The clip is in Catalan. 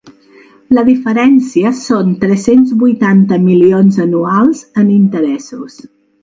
La diferència són tres-cents vuitanta milions anuals en interessos.